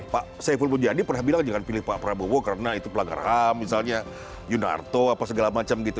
pak saiful mujadi pernah bilang jangan pilih pak prabowo karena itu pelanggaran ham misalnya yunarto apa segala macam gitu